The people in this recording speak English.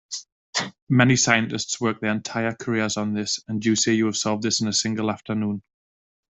Many scientists work their entire careers on this, and you say you have solved this in a single afternoon?